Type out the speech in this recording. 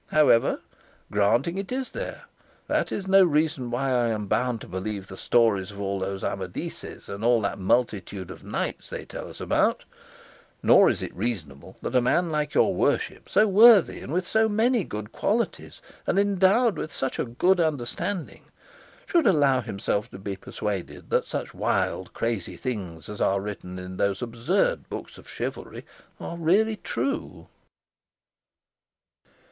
However, granting it is there, that is no reason why I am bound to believe the stories of all those Amadises and of all that multitude of knights they tell us about, nor is it reasonable that a man like your worship, so worthy, and with so many good qualities, and endowed with such a good understanding, should allow himself to be persuaded that such wild crazy things as are written in those absurd books of chivalry are really true."